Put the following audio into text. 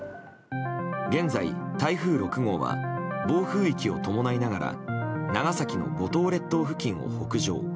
現在、台風６号は暴風域を伴いながら長崎の五島列島付近を北上。